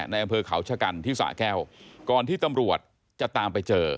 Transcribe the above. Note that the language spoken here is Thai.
ในอำเภอเขาชะกันที่สะแก้วก่อนที่ตำรวจจะตามไปเจอ